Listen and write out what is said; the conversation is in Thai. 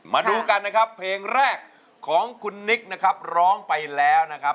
มาดูกันนะครับเพลงแรกของคุณนิกนะครับร้องไปแล้วนะครับ